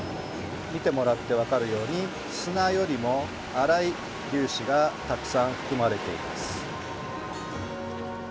見てもらって分かるように砂よりも粗い粒子がたくさん含まれています。